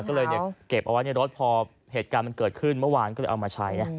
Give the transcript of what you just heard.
ก็เลยเก็บเอาไว้ในรถพอเหตุการณ์มันเกิดขึ้นเมื่อวานก็เลยเอามาใช้นะ